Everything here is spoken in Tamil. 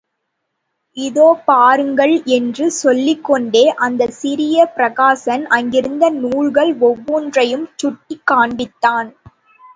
இதோ பாருங்கள் என்று சொல்லிக் கொண்டே அந்தச் சிறிய பிரசாரகன் அங்கிருந்த நூல்கள் ஒவ்வொன்றையும் சுட்டிக் காண்பித்தான்.